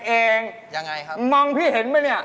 เองยังไงครับมองพี่เห็นไหมเนี่ย